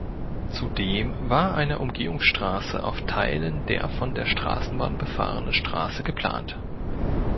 Zudem war eine Umgehungsstraße auf Teilen der von der Straßenbahn befahrenen Straße geplant.